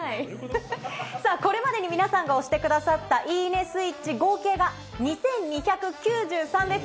これまでに皆さんが押してくださったいいねスイッチ、合計が２２９３です。